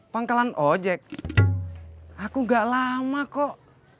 pangkalan ojek aku gak lama kok